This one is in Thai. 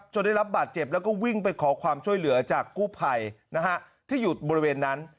ได้รับบาดเจ็บแล้วก็วิ่งไปขอความช่วยเหลือจากกู้ภัยนะฮะที่อยู่บริเวณนั้น